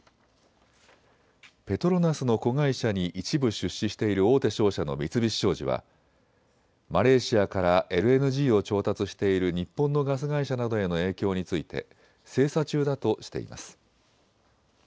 ペトロナスの子会社に一部、出資している大手商社の三菱商事はマレーシアからＬＮＧを調達している日本のガス会社などへの影響について精査中だとしています。